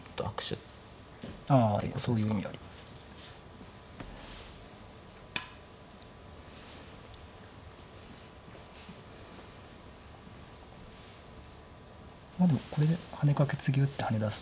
でもこれでハネカケツギ打ってハネ出すとか。